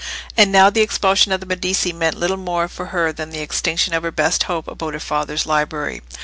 And now the expulsion of the Medici meant little more for her than the extinction of her best hope about her father's library.